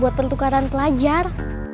buat pertukaran pelajar